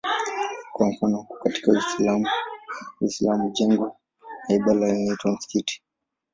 Kwa mfano katika Uislamu jengo la ibada linaitwa msikiti.